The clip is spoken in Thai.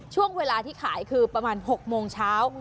ช่วงเวลาที่ขายคือประมาณ๖โมงเช้า